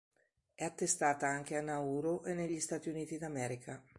È attestata anche a Nauru e negli Stati Uniti d'America.